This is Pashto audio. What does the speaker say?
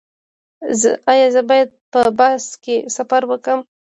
ایا زه باید په بس کې سفر وکړم؟